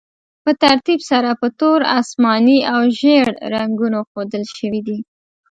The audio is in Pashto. په ترتیب سره په تور، اسماني او ژیړ رنګونو ښودل شوي دي.